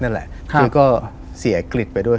นั่นแหละคือก็เสียกลิดไปด้วย